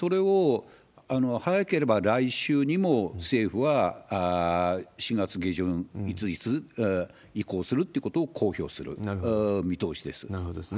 それを、早ければ来週にも政府は４月下旬いついつ移行するってことを公表なるほどですね。